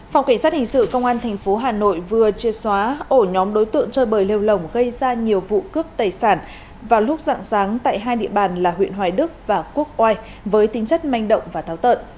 phòng cảnh sát hình sự công an tp hà nội vừa chia xóa ổ nhóm đối tượng chơi bời lêu lồng gây ra nhiều vụ cướp tài sản vào lúc dạng sáng tại hai địa bàn là huyện hoài đức và quốc oai với tính chất manh động và tháo